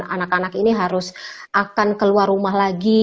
anak anak ini harus akan keluar rumah lagi